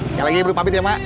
nggak lagi buru pamit ya mak